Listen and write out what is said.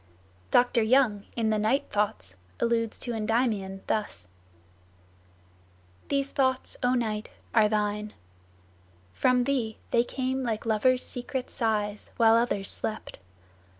Dr. Young, in the "Night Thoughts," alludes to Endymion thus: "... These thoughts, O night, are thine; From thee they came like lovers' secret sighs, While others slept.